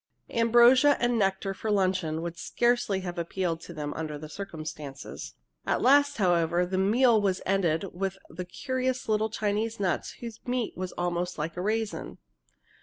Ambrosia and nectar for luncheon would scarcely have appealed to them under the circumstances! At last, however, the meal was ended with the curious little Chinese nuts whose meat is almost like a raisin.